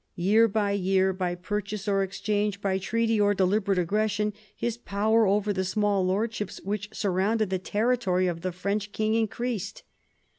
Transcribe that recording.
Year by year, by purchase or exchange, by treaty or deliberate aggression, his power over the small lordships which surrounded the territory of the French king increased.